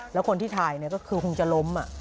แล้วคนที่ถ่ายเนี่ยก็คือคงจะล้มอ่ะ